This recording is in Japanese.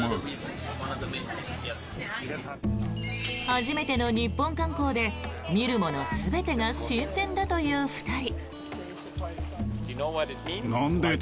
初めての日本観光で見るもの全てが新鮮だという２人。